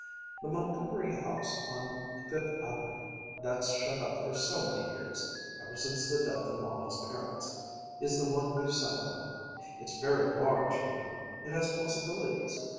The Montgomery house on Fifth Avenue, that's shut up for so many years, ever since the death of Molly's parents, is the one we've settled on. It's very large, you know. It has possibilities.